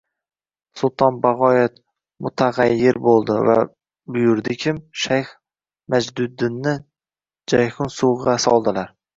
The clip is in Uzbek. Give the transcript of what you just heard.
Sulton bagʻoyat mutagʻayyir boʻldi va buyurdikim, shayx Majduddinni Jayhun suyigʻa soldilar